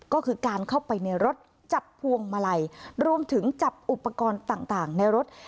ก็คือการเข้าไปในรถจับพวงมาลัยรวมถึงจับอุปกรณ์ต่างในรถ